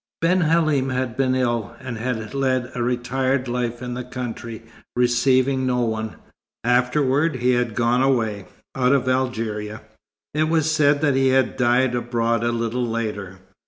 Ben Halim had been ill, and had led a retired life in the country, receiving no one. Afterward he had gone away, out of Algeria. It was said that he had died abroad a little later.